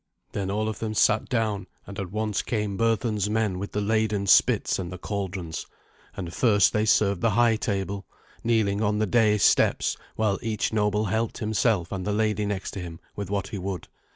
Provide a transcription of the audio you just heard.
Then all sat them down, and at once came Berthun's men with the laden spits and the cauldrons, and first they served the high table, kneeling on the dais steps while each noble helped himself and the lady next him with what he would.